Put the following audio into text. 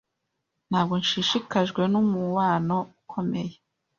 Ntabwo nshishikajwe numubano ukomeye.